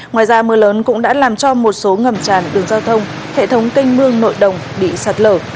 ngoài ra mưa lớn cũng đã làm cho một số ngầm tràn đường giao thông hệ thống canh mương nội đồng bị sạt lở